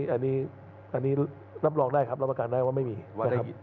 อันนี้รับรองได้ครับรับประกันได้ว่าไม่มี